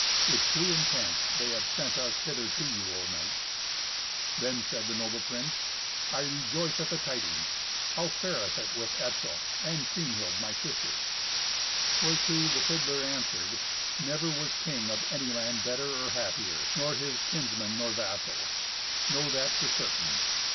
With true intent they have sent us hither to you, O knights." Then said the noble prince, "I rejoice at the tidings. How fareth it with Etzel, and Kriemhild my sister?" Whereto the fiddler answered, "Never was king of any land better or happier, nor his kinsmen nor vassals; know that for certain.